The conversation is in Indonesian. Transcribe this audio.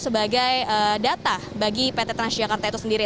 sebagai data bagi pt transjakarta itu sendiri